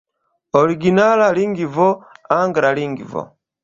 Originala lingvo: angla lingvo.